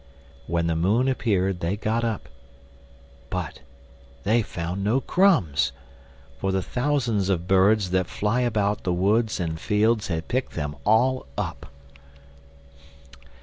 When the moon appeared they got up, but they found no crumbs, for the thousands of birds that fly about the woods and fields had picked them all up.